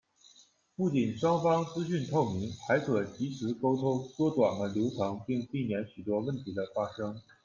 不仅双方资讯透明，还可即时沟通，缩短了流程并避免许多问题的发生。